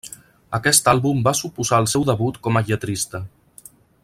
Aquest àlbum va suposar el seu debut com a lletrista.